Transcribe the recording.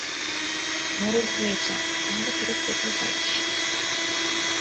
মোরগ হয়ে চা, তাহলে ফেরত পেতেও পারিস।